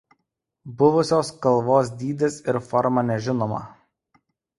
Buvusios kalvos dydis ir forma nežinoma.